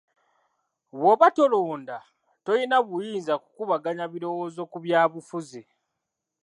Bw'oba tolonda tolina buyinza kukubaganya birowoozo ku byabufuzi.